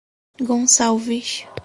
Gonçalves